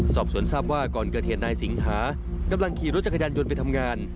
สอบสวนทราบว่าก่อนเกิดเหตุนายสิงหากำลังขี่รถจักรยานยนต์ไปทำงาน